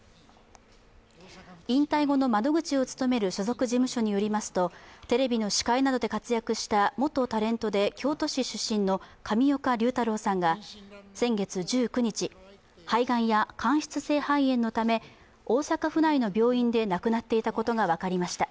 引退後の窓口を務める所属事務所によりますとテレビの司会などで活躍した元タレントで京都市出身の上岡龍太郎さんが先月１９日、肺がんや間質性肺炎のため、大阪府内の病院で亡くなっていたことが分かりました。